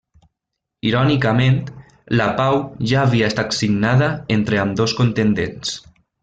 Irònicament, la pau ja havia estat signada entre ambdós contendents.